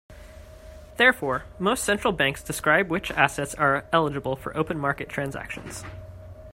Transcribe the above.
Therefore, most central banks describe which assets are eligible for open market transactions.